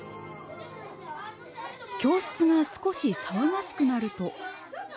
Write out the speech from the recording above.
教室が少し騒がしくなると。